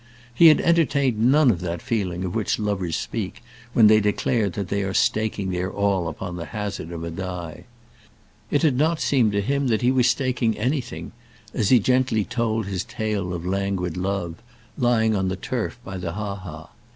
He had entertained none of that feeling of which lovers speak when they declare that they are staking their all upon the hazard of a die. It had not seemed to him that he was staking anything, as he gently told his tale of languid love, lying on the turf by the ha ha.